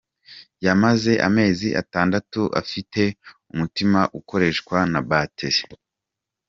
Yamaze amezi atandatu afite umutima ukoreshwa na Batiri